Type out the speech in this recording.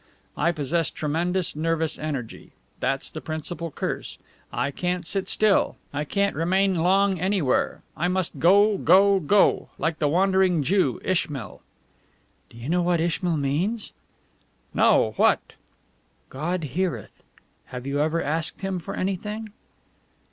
I possess tremendous nervous energy. That's the principal curse. I can't sit still; I can't remain long anywhere; I must go, go, go! Like the Wandering Jew, Ishmael." "Do you know what Ishmael means?" "No. What?" "'God heareth.' Have you ever asked Him for anything?"